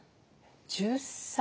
１０歳？